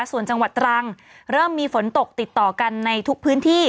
ส่วนจังหวัดตรังเริ่มมีฝนตกติดต่อกันในทุกพื้นที่